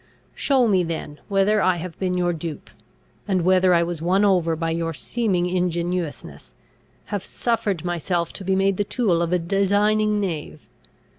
Show me then whether I have been your dupe: and, while I was won over by your seeming ingenuousness, have suffered myself to be made the tool of a designing knave.